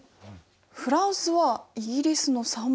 フランスはイギリスの３倍。